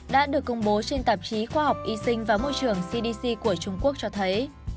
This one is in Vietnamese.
đã được công bố trên tạp chí khoa học y sinh và môi trường cdc của trung quốc cho thấy